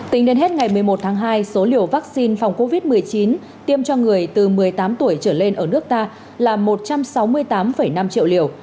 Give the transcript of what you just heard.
tính đến hết ngày một mươi một tháng hai số liều vaccine phòng covid một mươi chín tiêm cho người từ một mươi tám tuổi trở lên ở nước ta là một trăm sáu mươi tám năm triệu liều